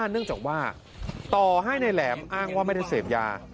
เนื่องจากว่าต่อให้นายแหลมอ้างว่าไม่ได้เสพยา